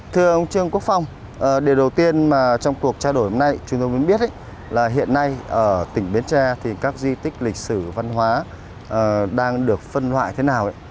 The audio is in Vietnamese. thưa ông trương quốc phong điều đầu tiên mà trong cuộc trao đổi hôm nay chúng tôi muốn biết là hiện nay ở tỉnh bến tre thì các di tích lịch sử văn hóa đang được phân loại thế nào